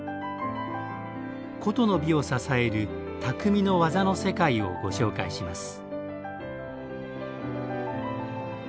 古都の美を支える「匠の技の世界」をご紹介します。